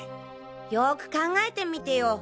よく考えてみてよ。